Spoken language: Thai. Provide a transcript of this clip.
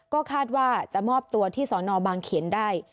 ก็คาดว่าจะมอบตัวที่สอนอบางเขนได้